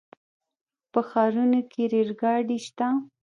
په ښارونو کې ریل ګاډي شته.